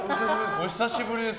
お久しぶりです。